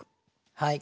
はい。